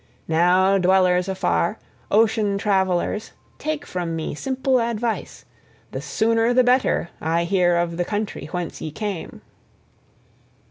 Now, dwellers afar, ocean travellers, take from me simple advice: the sooner the better I hear of the country whence ye came."